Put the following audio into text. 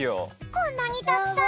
こんなにたくさん！